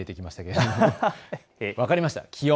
分かりました、気温。